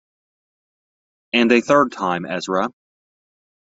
And a third time - Ezra!